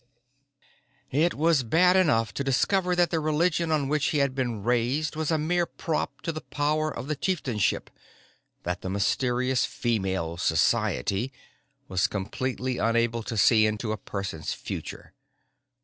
_"It was bad enough to discover that the religion on which he had been raised was a mere prop to the power of the chieftainship, that the mysterious Female Society was completely unable to see into a person's future.